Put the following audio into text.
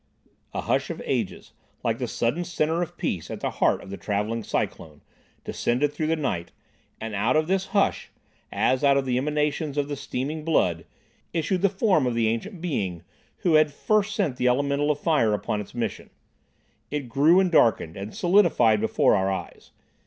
A hush of ages, like the sudden centre of peace at the heart of the travelling cyclone, descended through the night, and out of this hush, as out of the emanations of the steaming blood, issued the form of the ancient being who had first sent the elemental of fire upon its mission. It grew and darkened and solidified before our eyes.